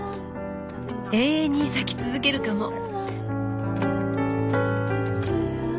永遠に咲き続けるかも。